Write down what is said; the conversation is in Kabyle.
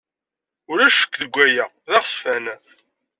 Ulac ccekk deg waya. D aɣezfan.